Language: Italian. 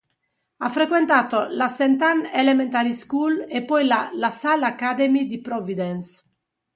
Ha frequentato la St. Ann Elementary School e poi la LaSalle Academy di Providence.